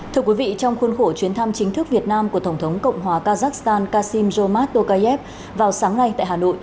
thưa quý vị trong khuôn khổ chuyến thăm chính thức việt nam của tổng thống cộng hòa kazakhstan kassim zoma tokayev vào sáng nay tại hà nội